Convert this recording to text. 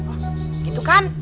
oh gitu kan